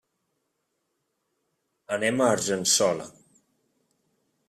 Anem a Argençola.